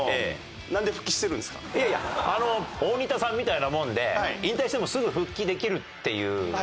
いやいや大仁田さんみたいなもんで引退してもすぐ復帰できるっていうね。